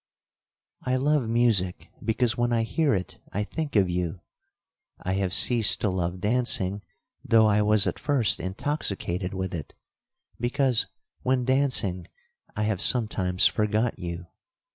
'I love music, because when I hear it I think of you. I have ceased to love dancing, though I was at first intoxicated with it, because, when dancing, I have sometimes forgot you.